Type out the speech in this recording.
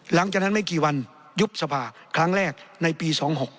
หลังจากนั้นไม่กี่วันยุบสภาครั้งแรกในปี๒๖๖